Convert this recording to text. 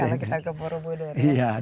kalau kita ke borobudur